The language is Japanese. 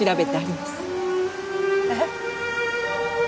えっ？